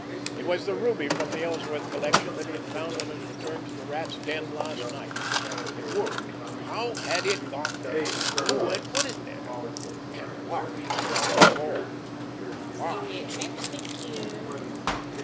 It was the ruby from the Ellsworth collection that he had found on his return to the Rat's den last night. It worried him. How had it got there? Who had put it there? And why? Above all—why?